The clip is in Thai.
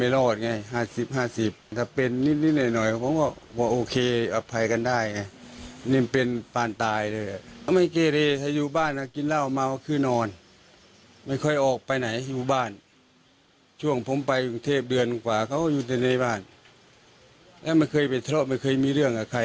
และเคยไปทรวปเคยมีเรื่องกับใคร